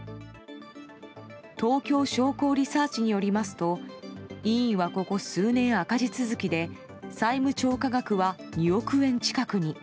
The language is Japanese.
東京商工リサーチによりますと医院はここ数年赤字続きで債務超過額は２億円近くに。